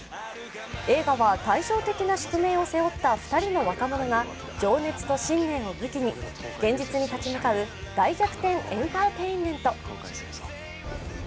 映画は対照的な宿命を背負った２人の若者が情熱と信念を武器に現実に立ち向かう大逆転エンターテインメント。